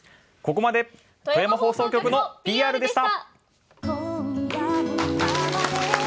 ここまで富山放送局のＰＲでした！